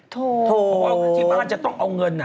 โถ่เพราะว่าชีวิตบ้านจะต้องเอาเงิน